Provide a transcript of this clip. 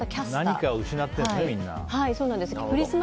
何かを失ってるね、みんな。